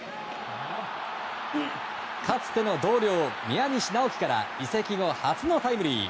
かつての同僚、宮西尚生から移籍後、初のタイムリー。